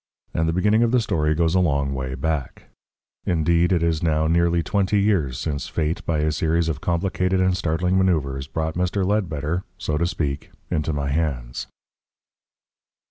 And the beginning of the story goes a long way back; indeed, it is now nearly twenty years since Fate, by a series of complicated and startling manoeuvres, brought Mr. Ledbetter, so to speak, into my hands.